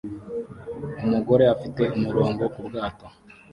Umugore afite umurongo ku bwato